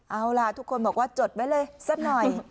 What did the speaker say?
เอาล่ะทุกคนบอกว่าจดไว้เลยสักหน่อย